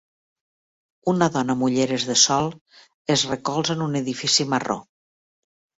Una dona amb ulleres de sol es recolza en un edifici marró